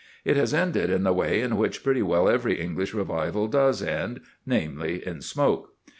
It has ended in the way in which pretty well every English revival does end namely, in smoke.